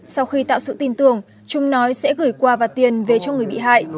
sau khi tạo sự tin tưởng chúng nói sẽ gửi quà và tiền về cho người bị hại